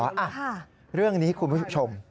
อ่ะเรื่องนี้คุณผู้ชม